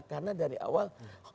karena dari awal